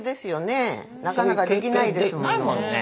なかなかできないですもの。